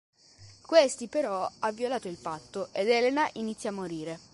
Questi, però, ha violato il patto ed Elena inizia a morire.